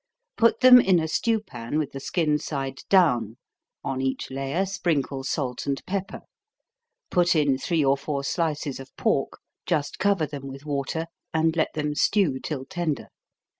Put them in a stew pan with the skin side down; on each layer sprinkle salt and pepper; put in three or four slices of pork, just cover them with water, and let them stew till tender.